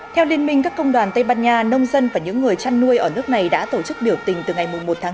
theo liên minh các công đoàn tây ban nha nông dân và những người chăn nuôi ở nước này đã tổ chức biểu tình từ ngày một tháng tám